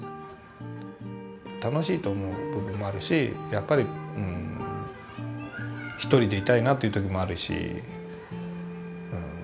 楽しいと思う部分もあるしやっぱり一人でいたいなという時もあるし。